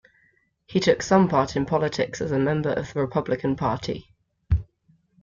He took some part in politics as a member of the Republican Party.